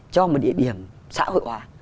cho một địa điểm xã hội hóa